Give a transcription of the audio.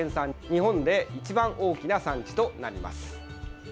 日本で一番大きな産地となります。